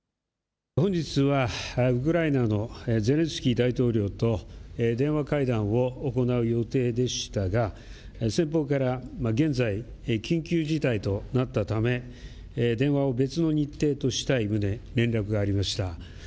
本日はウクライナのゼレンスキー大統領と電話会談を行う予定でしたが先方から現在、緊急事態となったため電話を別の日程としたい旨、連絡がありました。